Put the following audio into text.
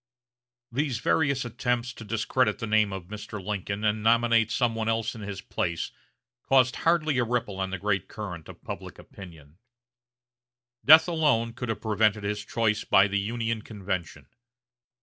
These various attempts to discredit the name of Mr. Lincoln and nominate some one else in his place caused hardly a ripple on the great current of public opinion. Death alone could have prevented his choice by the Union convention.